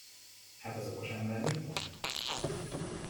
Hát az okos ember mit mond?